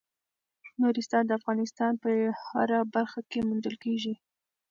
نورستان د افغانستان په هره برخه کې موندل کېږي.